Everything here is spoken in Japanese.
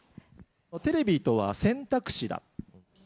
テレビとは選択肢だ。